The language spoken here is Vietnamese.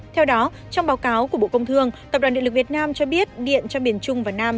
theo đó trong báo cáo của bộ công thương tập đoàn điện lực việt nam cho biết điện cho miền trung và nam